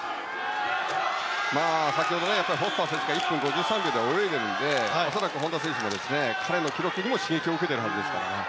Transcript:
先ほどフォスター選手が１分５３秒で泳いでいるので恐らく本多選手も彼の記録にも刺激を受けているはずです。